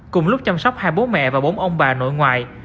cùng lúc chăm sóc hai bố mẹ và bốn ông bà nội ngoại